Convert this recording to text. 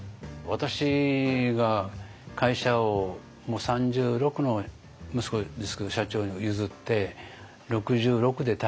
私が会社をもう３６の息子ですけど社長に譲って６６で退任したでしょ。